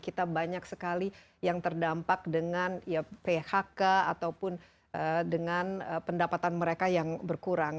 kita banyak sekali yang terdampak dengan phk ataupun dengan pendapatan mereka yang berkurang